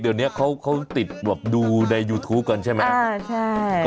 เดี๋ยวเนี๊ยะเขาติดดูในยูทูปก่อนใช่มั้ย